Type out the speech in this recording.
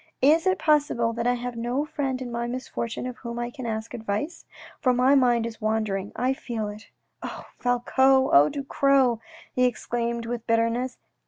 " Is it possible that I have no friend in my misfortune of whom I can ask advice ? for my mind is wandering, I feel it. " Oh, Falcoz ! oh, Ducros !" he exclaimed with bitterness.